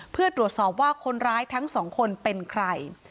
เพื่อตรวจสอบว่าคนร้ายทั้งสองคนเป็นใคร